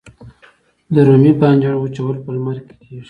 د رومي بانجان وچول په لمر کې کیږي؟